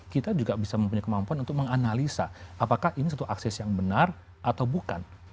kita juga bisa mempunyai kemampuan untuk menganalisa apakah ini satu akses yang benar atau bukan